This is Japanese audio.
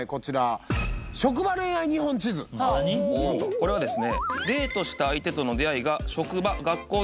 これはですね。